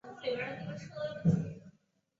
这次东征完全失败。